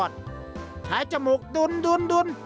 สวัสดีครับ